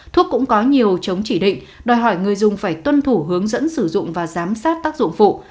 thuốc cũng có nhiều chống chỉ định đòi hỏi người dùng phải tuân thủ hướng dẫn sử dụng và giám sát tác dụng phụ